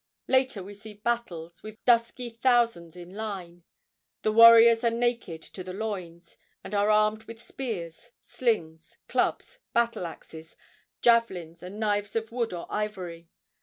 Later we see battles, with dusky thousands in line. The warriors are naked to the loins, and are armed with spears, slings, clubs, battle axes, javelins and knives of wood or ivory.